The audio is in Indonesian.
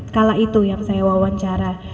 skala itu yang saya wawancara